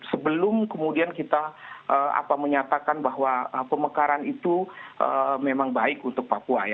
sebelum kemudian kita menyatakan bahwa pemekaran itu memang baik untuk papua